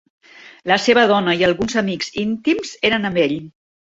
La seva dona i alguns amics íntims eren amb ell.